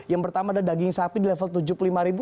yang pertama ada daging sapi di level rp tujuh puluh lima